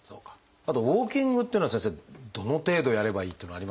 あとウォーキングっていうのは先生どの程度やればいいっていうのはありますか？